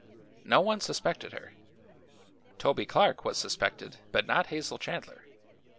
"No one suspected her. Toby Clark was suspected, but not Hazel Chandler.